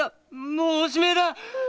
もうおしまいだ！